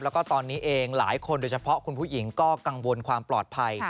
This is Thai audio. แล้วก็ตอนนี้เองหลายคนโดยเฉพาะคุณผู้หญิงก็กังวลความปลอดภัย